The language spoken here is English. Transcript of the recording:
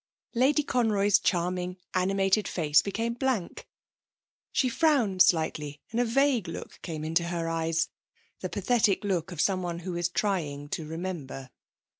Lady Conroy's charming, animated face became blank. She frowned slightly, and a vague look came into her eyes the pathetic look of someone who is trying to remember.